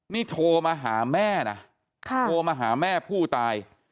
นี่โทรมาหาแม่นะโทรมาหาแม่ผู้ตาย